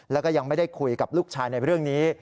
แล้วก็ยังไม่ได้คุยกับลูกชายในเรื่องนี้